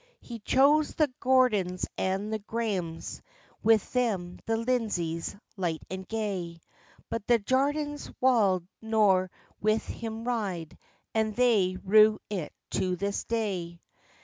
He chose the Gordons and the Graemes, With them the Lindesays, light and gay; But the Jardines wald nor with him ride, And they rue it to this day.